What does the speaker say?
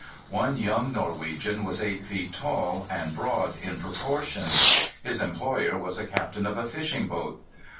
One young Norwegian was eight feet tall and broad in proportion. His employer was a captain of a fishing boat.